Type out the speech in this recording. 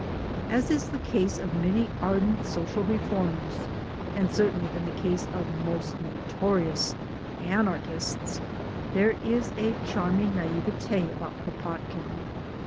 As in the case of many ardent social reformers, and certainly in the case of most notorious Anarchists, there is a charming naivete* about Kropot kin.